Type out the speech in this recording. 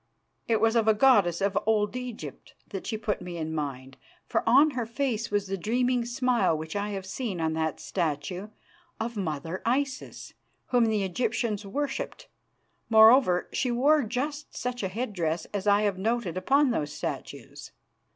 It was of a goddess of Old Egypt that she put me in mind, for on her face was the dreaming smile which I have seen on that of a statue of mother Isis whom the Egyptians worshipped. Moreover, she wore just such a headdress as I have noted upon those statues.